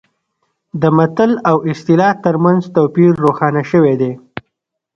د متل او اصطلاح ترمنځ توپیر روښانه شوی دی